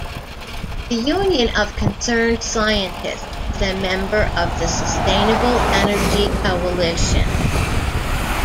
The Union of Concerned Scientists is a member of the Sustainable Energy Coalition.